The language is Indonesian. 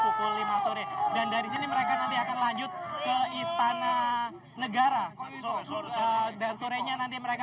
pukul lima sore dan dari sini mereka nanti akan lanjut ke istana negara dan sorenya nanti mereka